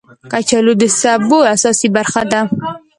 کچالو د سبو اساسي برخه ده